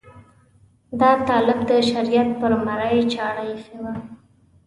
دا طالب د شریعت پر مرۍ چاړه ایښې وه.